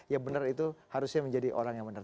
ya benar itu harusnya menjadi orang yang benar